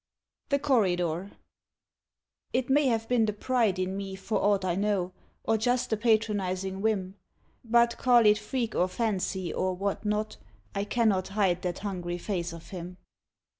THE CORRIDOR It may have been the pride in me for aught I know, or just a patronizing whim ; But call it freak or fancy, or what not, I cannot hide that hungry face of him.